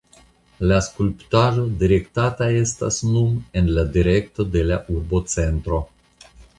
La skulptaĵo direktata estas nun en la direkto de la urbocentro.